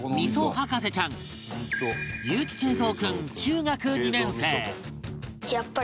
博士ちゃん結城敬蔵君中学２年生